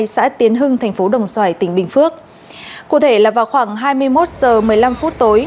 xã tiến hưng thành phố đồng xoài tỉnh bình phước cụ thể là vào khoảng hai mươi một h một mươi năm phút tối